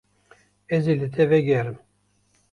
Ez ê li te vegerim.